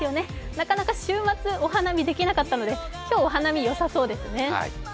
なかなか週末、お花見できなかったので、今日はお花見、よさそうですね。